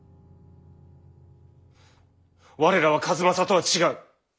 我らは数正とは違う。